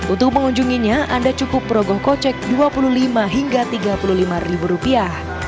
untuk mengunjunginya anda cukup merogoh kocek dua puluh lima hingga tiga puluh lima ribu rupiah